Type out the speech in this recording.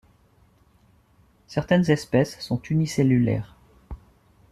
Certaines espèces sont unicellulaires.